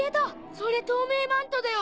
それ透明マントだよ！